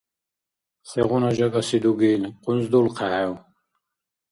Сегъуна жагаси дугил! КъунздулхъехӀев?